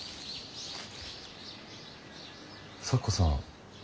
咲子さん